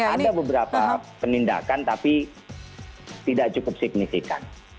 ada beberapa penindakan tapi tidak cukup signifikan